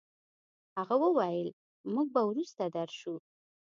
هغه وويل چې موږ به وروسته درشو.